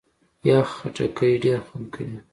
یخ خټکی ډېر خوند کوي.